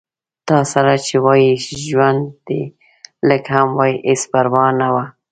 تاسره چې وای ژوند دې لږ هم وای هېڅ پرواه نه وه